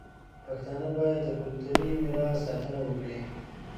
پښتانه باید د کلتوري میراث ساتنه وکړي.